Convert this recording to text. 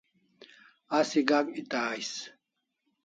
Asi gak eta ais